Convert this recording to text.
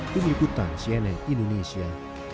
pengikutan cnn indonesia